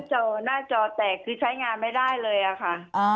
จอหน้าจอแตกคือใช้งานไม่ได้เลยอะค่ะ